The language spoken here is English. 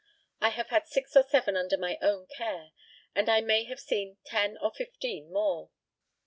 I have had six or seven under my own care, and I may have seen ten or fifteen more.